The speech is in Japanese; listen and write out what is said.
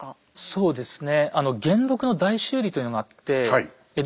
そうですね。